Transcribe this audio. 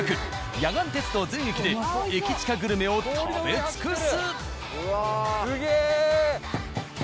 野岩鉄道全駅で駅チカグルメを食べ尽くす！